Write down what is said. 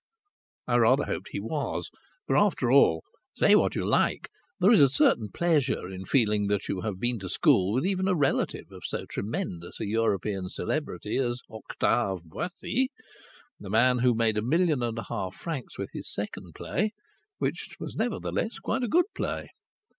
I rather hoped he was; for after all, say what you like, there is a certain pleasure in feeling that you have been to school with even a relative of so tremendous a European celebrity as Octave Boissy the man who made a million and a half francs with his second play, which was nevertheless quite a good play.